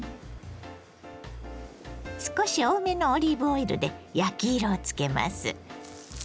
少し多めのオリーブオイルで焼き色をつけます。